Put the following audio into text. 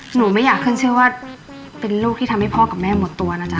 หนูไม่อยากขึ้นชื่อว่าเป็นลูกที่ทำให้พ่อกับแม่หมดตัวนะจ๊